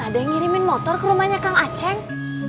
masa ada yang ngirimin motor ke rumahnya kang aceng